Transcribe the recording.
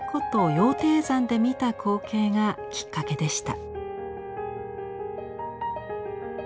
羊蹄山で見た光景がきっかけでした。